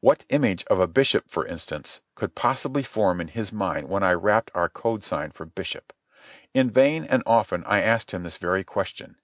What image of a bishop, for instance, could possibly form in his mind when I rapped our code sign for bishop? In vain and often I asked him this very question.